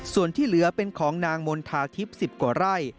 ส่วนที่เหลือเป็นของนางมณฑาทิพย์๑๐กว่าไร่